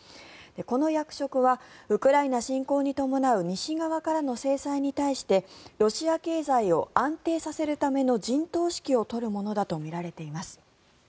この役職はウクライナ侵攻に伴う西側からの制裁に対してロシア経済を安定させるための陣頭指揮を執るものだとみられています。